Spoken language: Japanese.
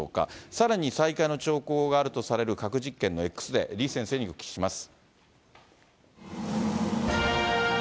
さらに、再開の兆候があるとされる核実験のＸデー、李先生にお聞きします。